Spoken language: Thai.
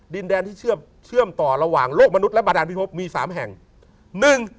ดินแดนที่เชื่อมต่อระหว่างโลกมนุษย์และบาดานพิภพมีสามแห่ง